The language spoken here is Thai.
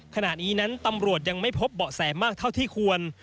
ขณะนี้นั้นตำรวจยังไม่พบเบาะแสมากเท่าที่ควร